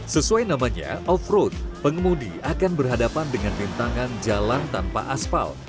sesuai namanya off road pengemudi akan berhadapan dengan rintangan jalan tanpa aspal